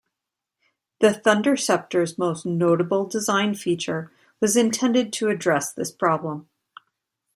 The Thunderceptor's most notable design feature was intended to address this problem.